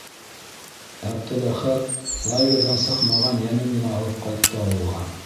...Әптеләхәт лагерҙан сыҡмаған йәнен генә алып ҡайтты ауылға.